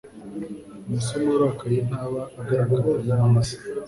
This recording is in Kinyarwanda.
Umusore urakaye ntaba agaragara neza